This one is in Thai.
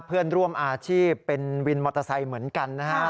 เพื่อนร่วมอาชีพเป็นวินมอเตอร์ไซค์เหมือนกันนะฮะ